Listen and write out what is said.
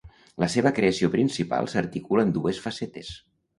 La seva creació principal s'articula en dues facetes.